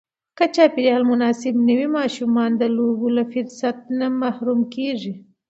که چاپېریال مناسب نه وي، ماشومان د لوبو له فرصت محروم کېږي.